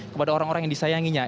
kepada orang orang yang disayanginya